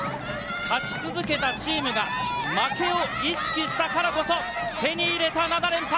勝ち続けたチームが負けを意識したからこそ、手に入れた７連覇。